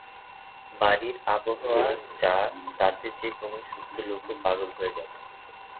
বাড়ির আবহাওয়া যা, তাতে যে-কোনো সুস্থ লোকও পাগল হয়ে যাবে।